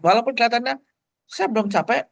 walaupun kelihatannya saya belum capek